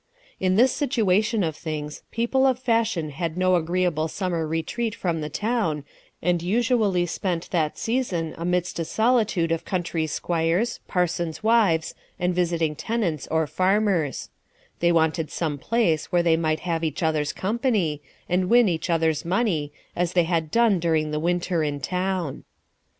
In this situation of things, people of fashion had no agreeable summer retreat from the town, and usually spent that season amidst a solitude of country 'squires, parsons' wives, and visit ing tenants, or farmers ; they wanted some place where they might have each other's company, and win each other's money, as they had done during the winter in town.